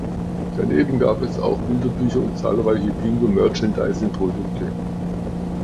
Daneben gab es auch Bilderbücher und zahlreiche Pingu-Merchandisingprodukte.